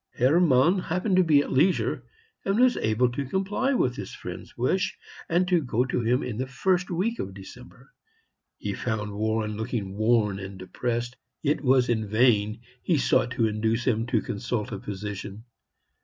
Hermann happened to be at leisure, and was able to comply with his friend's wish, and to go to him in the first week of December. He found Warren looking worn and depressed. It was in vain he sought to induce him to consult a physician.